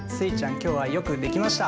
きょうはよくできました！